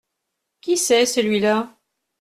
Qui c’est celui-là ?